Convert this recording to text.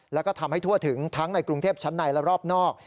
แล้วก็ทำให้ทั่วถึงทั้งในกรุงเทพชั้นในและรอบนอก